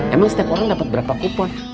emang setiap orang dapat berapa kupon